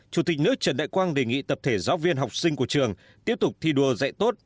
chủ tịch nước trần đại quang đề nghị tập thể giáo viên học sinh của trường tiếp tục thi đua dạy tốt